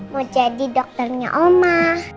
mau jadi dokternya oma